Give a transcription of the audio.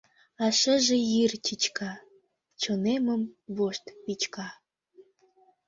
А шыже йӱр чӱчка, Чонемым вошт вӱчка.